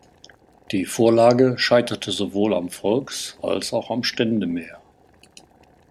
Die Vorlage scheiterte sowohl am Volks- als auch am Ständemehr.